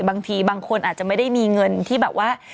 บางทีบางคนอาจจะไม่ได้มีเงินที่แบบว่า